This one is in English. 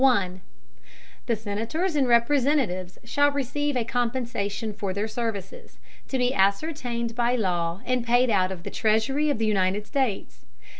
The Senators and Representatives shall receive a Compensation for their Services, to be ascertained by Law, and paid out of the Treasury of the United States.